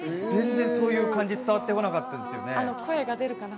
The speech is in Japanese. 全然そういう感じ伝わってこなかったですね。